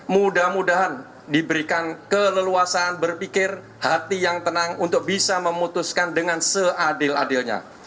mudah mudahan diberikan keleluasan berpikir hati yang tenang untuk bisa memutuskan dengan seadil adilnya